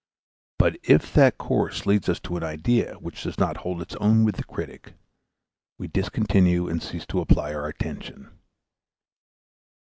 But if that course leads us to an idea which does not hold its own with the critic, we discontinue and cease to apply our attention.